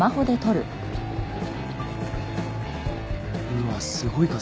うわっすごい数。